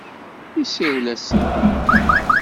Isawel-asen.